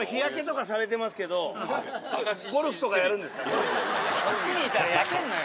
結構こっちにいたら焼けんのよ。